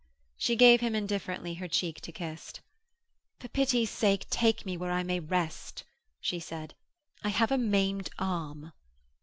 She gave him indifferently her cheek to kiss. 'For pity's sake take me where I may rest,' she said, 'I have a maimed arm.'